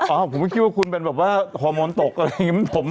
ผมก็คิดว่าคุณเป็นแบบว่าฮอร์โมนตกอะไรอย่างนี้